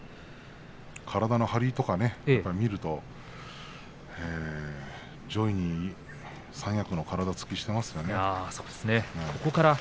体の張りとか見ると三役の体つきをしていますよね。